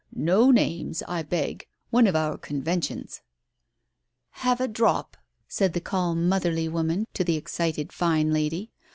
"No names, I beg. One of our conven tions ...!"" Have a drop ?" said the calm motherly woman to the excited fine lady.